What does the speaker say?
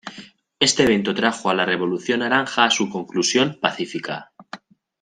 Este evento trajo a la Revolución naranja a su conclusión pacífica.